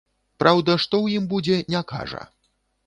Праўда, што ў ім будзе, не кажа.